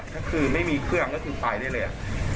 ก็คือไม่มีเครื่องก็คือไปได้เลย